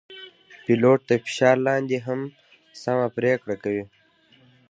پیلوټ د فشار لاندې هم سمه پرېکړه کوي.